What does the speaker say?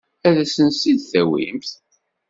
Ad asent-tt-id-tawimt?